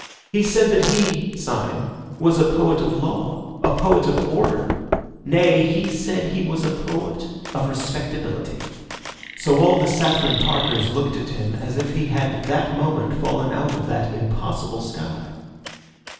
He said that he (Syme) was poet of law, a poet of order; nay, he said he was a poet of respectability. So all the Saffron Parkers looked at him as if he had that moment fallen out of that impossible sky.